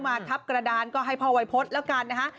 มาทับกระดานก็ให้พ่อวัยพฤษแล้วกันนะฮะ